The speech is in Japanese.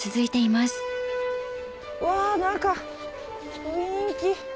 わぁ何か雰囲気。